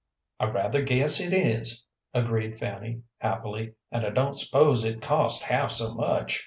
"I rather guess it is," agreed Fanny, happily, "and I don't s'pose it cost half so much.